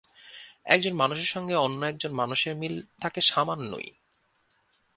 একজন মানুষের সঙ্গে অন্য একজন মানুষের মিল থাকে সামান্যই।